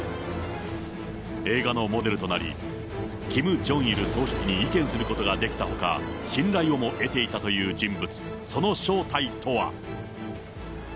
映画のモデルとなり、キム・ジョンイル総書記に意見することができたほか、信頼をも得ていたという人物、その正体とは？